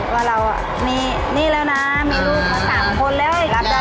ว่าเรามีนี่แล้วนะมีลูกมา๓คนแล้ว